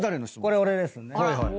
これ俺ですね。